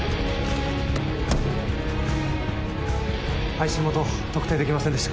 配信元特定できませんでした。